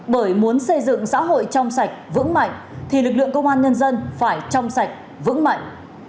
bởi muốn xây dựng xã hội trong sạch vững mạnh thì lực lượng công an nhân dân phải trong sạch vững mạnh